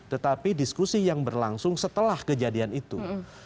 tetapi diskusi yang berlangsung setelah kejadian itu